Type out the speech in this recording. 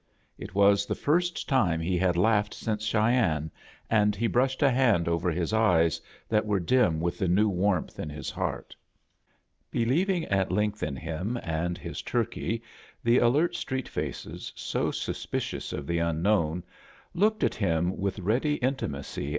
It was the first time he had laughed since Cheyenne, and he brushed a hand over his eyes, that were dim with the new warmth In his heart Believing at length in him and his tur key, the alert street faces, so suspicious of the unknown, looked at him with ready intimacy